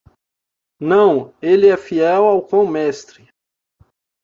Não, ele é fiel ao cão mestre.